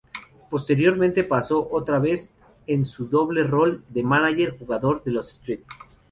Posteriormente pasó otra vez en su doble rol de mánager-jugador a los St.